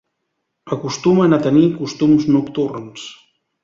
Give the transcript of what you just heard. Acostumen a tenir costums nocturns.